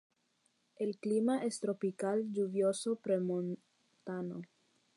El clima es tropical lluvioso pre-montano.